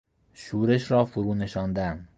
شورش را فرونشاندن